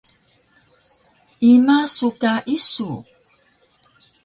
Ima su ka isu?